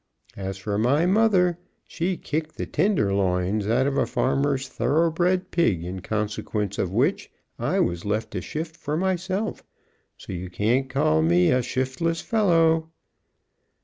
As for my mother, she kicked the tenderloins out of a farmer's thoroughbred pig, in consequence of which I was left to shift for myself, so you can't call me a shiftless fellow."